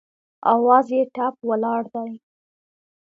اواز یې ټپ ولاړ دی